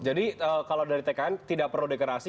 jadi kalau dari tkn tidak perlu deklarasi